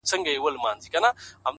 ها د فلسفې خاوند ها شتمن شاعر وايي.